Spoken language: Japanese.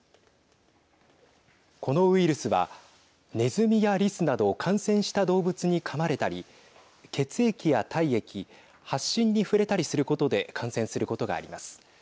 このウイルスはネズミやリスなど感染した動物にかまれたり血液や体液発疹に触れたりすることで感染することがあります。